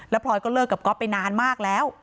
พลอยก็เลิกกับก๊อฟไปนานมากแล้ว